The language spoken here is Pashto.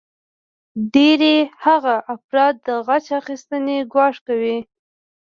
ډیری هغه افراد د غچ اخیستنې ګواښ کوي